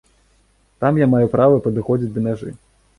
Там я маю права падыходзіць да мяжы.